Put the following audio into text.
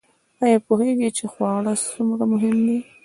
ایا پوهیږئ چې خواړه څومره مهم دي؟